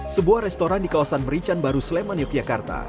sebuah restoran di kawasan merican baru sleman yogyakarta